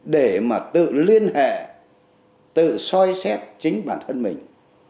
để mà tự liên hệ tự soi xét chính bản thân mình